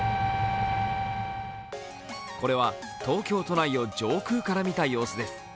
これは東京都内を上空から見た様子です。